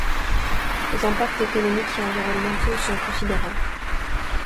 Les impacts économiques et environnementaux sont considérables.